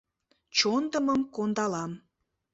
Чондымым кондалам.